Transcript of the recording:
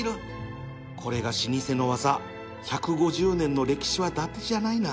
これが老舗の技１５０年の歴史はだてじゃないな